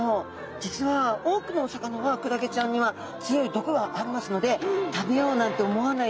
じつは多くのお魚はクラゲちゃんには強いどくがありますので食べようなんて思わない。